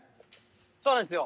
そうなんですよ。